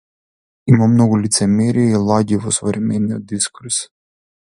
Има многу лицемерие и лаги во современиот дискурс.